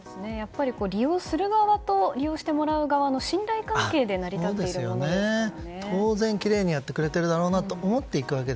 利用する側と利用してもらう側の信頼関係で成り立っているものですよね。